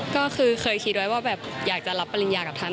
ก็คือเคยคิดไว้ว่าแบบอยากจะรับปริญญากับท่าน